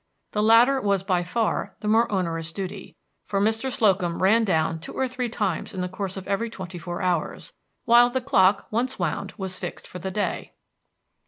The latter was by far the more onerous duty, for Mr. Slocum ran down two or three times in the course of every twenty four hours, while the clock once wound was fixed for the day.